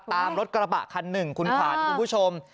ตามรถกระบะคัน๑คุณผ่านคุณผู้ชม